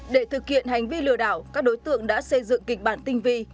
để thực hiện hành vi lừa đảo các đối tượng đã xây dựng kịch bản tinh vi